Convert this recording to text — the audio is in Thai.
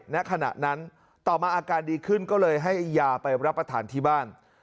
ณขณะนั้นต่อมาอาการดีขึ้นก็เลยให้ยาไปรับประทานที่บ้าน